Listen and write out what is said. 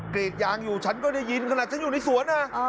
กรีดยางอยู่ฉันก็ได้ยินขนาดฉันอยู่ในสวนนะ